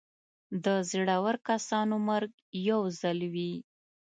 د زړور کسانو مرګ یو ځل وي.